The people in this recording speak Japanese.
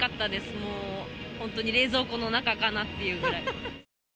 もう本当に冷蔵庫の中かなっていうぐらい。